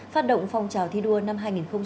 phát động phong trào thi đua năm hai nghìn hai mươi